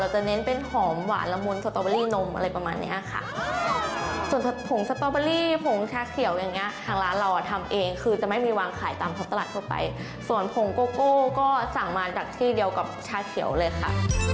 จะเน้นเป็นหอมหวานละมุนสตอเบอรี่นมอะไรประมาณเนี้ยค่ะส่วนผงสตอเบอรี่ผงชาเขียวอย่างเงี้ทางร้านเราอ่ะทำเองคือจะไม่มีวางขายตามท้องตลาดทั่วไปส่วนผงโกโก้ก็สั่งมาจากที่เดียวกับชาเขียวเลยค่ะ